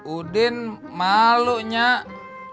udin malu nyak